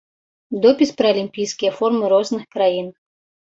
Допіс пра алімпійскія формы розных краін.